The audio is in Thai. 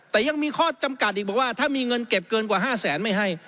แต่ยังมีข้อจำกัดอีกบอกว่าถ้ามีเงินเก็บเกินกว่า๕แสนไม่ให้